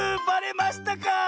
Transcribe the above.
ばれましたか。